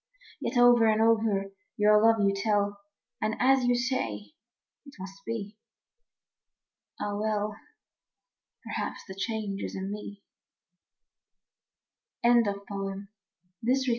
Yet over and over your love you tell, And as you say, it must be. Ah, well, Perhaps the change is in me. The Legend of the Pansies.